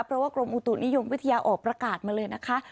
เพราะว่ากรมอุตุนิยมวิทยาออกประกาศมาเลยนะคะ